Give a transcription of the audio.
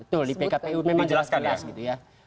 betul di pkpu memang jelas jelas gitu ya